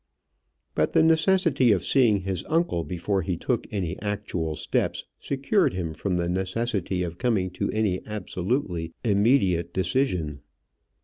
But the necessity of seeing his uncle before he took any actual steps secured him from the necessity of coming to any absolutely immediate decision.